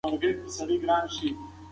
لاندي غوښه ډېره خوندوره پخه شوې ده.